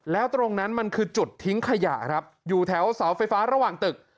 แล้วตรงนั้นมันคือจุดทิ้งขยะครับอยู่แถวเสาไฟฟ้าระหว่างตึก